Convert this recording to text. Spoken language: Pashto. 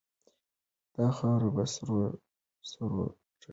دا خاوره په سرو زرو پټه ده.